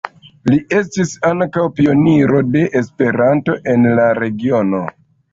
Li estis ankaŭ pioniro de Esperanto en la regiono.